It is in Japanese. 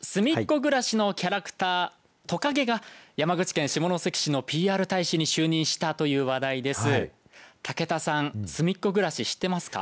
ぐらしのキャラクターとかげが山口県下関市のＰＲ大使に就任したという話題です。